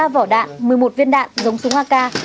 một mươi ba vỏ đạn một mươi một viên đạn giống súng ak